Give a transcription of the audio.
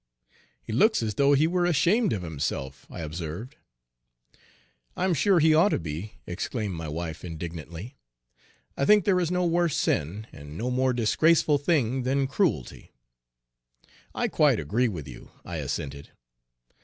"He looks as though he were ashamed of himself," I observed. "I'm sure he ought to be," exclaimed my wife indignantly. "I think there is no worse sin and no more disgraceful thing than cruelty." Page 70 "I quite agree with you," I assented.